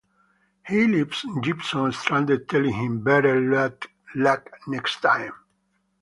He leaves Gipson stranded, telling him, "better luck next time".